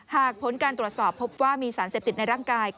ผลการตรวจสอบพบว่ามีสารเสพติดในร่างกาย